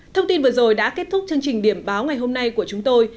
thông tin vừa rồi đã kết thúc chương trình điểm báo ngày hôm nay của chúng tôi